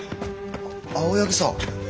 青柳さん。